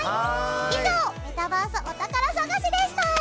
以上メタバースお宝探しでした。